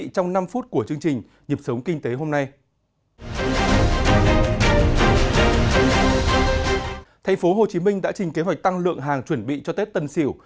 thành phố hồ chí minh đã trình kế hoạch tăng lượng hàng chuẩn bị cho tết tân sỉu